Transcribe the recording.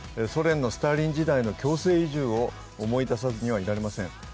ソ連のスターリン時代の強制移住を思い出さずにはいられません。